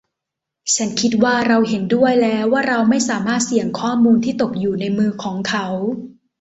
ฉันคิดว่าเราเห็นด้วยแล้วว่าเราไม่สามารถเสี่ยงข้อมูลที่ตกอยู่ในมือของเขา